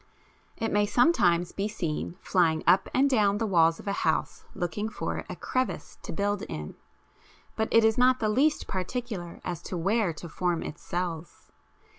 It may sometimes be seen flying up and down the walls of a house looking for a crevice to build in, but it is not the least particular as to where to form its cells.